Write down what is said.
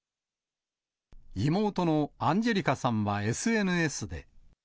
妹のアンジェリカさんはＳＮＳで。